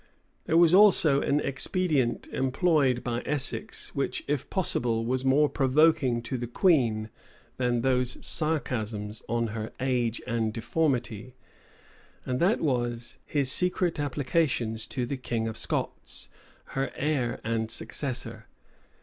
There was also an expedient employed by Essex, which, if possible, was more provoking to the queen than those sarcasms on her age and deformity; and that was, his secret applications to the king of Scots, her heir and successor.